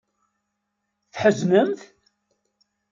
Tḥeznemt?